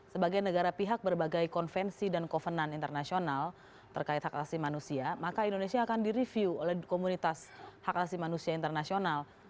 sebagai negara pihak berbagai konvensi dan kovenan internasional terkait hak asli manusia maka indonesia akan direview oleh komunitas hak asli manusia internasional